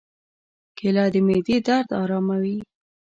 کېله د معدې درد آراموي.